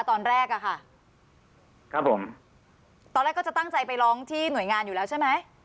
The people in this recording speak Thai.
ตอนแรกอ่ะค่ะครับผมตอนแรกก็จะตั้งใจไปร้องที่หน่วยงานอยู่แล้วใช่ไหม